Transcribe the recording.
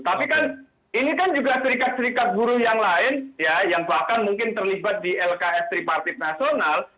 tapi kan ini kan juga serikat serikat buruh yang lain ya yang bahkan mungkin terlibat di lks tripartit nasional